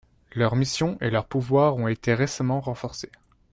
Leurs missions et leurs pouvoirs ont été récemment renforcés.